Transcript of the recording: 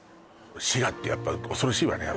滋賀ってやっぱ恐ろしいわね